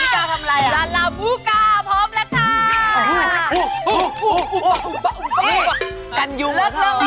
ตามแอฟผู้ชมห้องน้ำด้านนอกกันเลยดีกว่าครับ